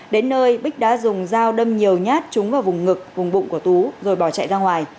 đến nơi bích đã dùng dao đâm nhiều nhát trúng vào vùng ngực vùng bụng của tú rồi bỏ chạy ra ngoài